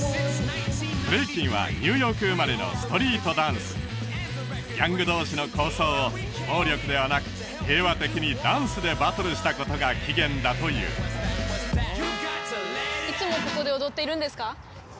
ブレイキンはニューヨーク生まれのストリートダンスギャング同士の抗争を暴力ではなく平和的にダンスでバトルしたことが起源だといういつもここで踊っているんですか？